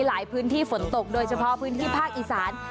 หลายพื้นที่ฝนตกโดยเฉพาะพื้นที่ภาคอีสาน